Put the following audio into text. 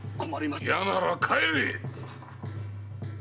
嫌なら帰れ！